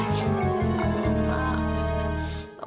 neng bangun neng